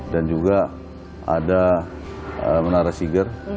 dan juga ada menara siger